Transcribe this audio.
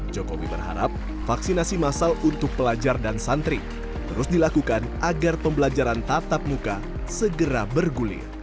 jokowi berharap vaksinasi masal untuk pelajar dan santri terus dilakukan agar pembelajaran tatap muka segera bergulir